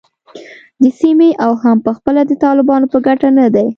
د سیمې او هم پخپله د طالبانو په ګټه نه دی